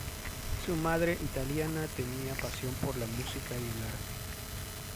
Su madre, italiana, tenía pasión por la música y el arte.